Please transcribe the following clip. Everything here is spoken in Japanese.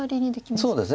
そうですね